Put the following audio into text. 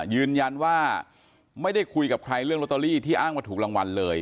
ยืนยันว่าไม่ได้คุยกับใครเรื่องลอตเตอรี่ที่อ้างว่าถูกรางวัลเลย